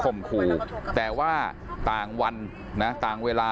ตอนนี้ก็เปลี่ยนแบบนี้แหละ